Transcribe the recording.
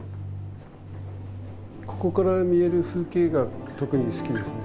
ここから見える風景が特に好きですね。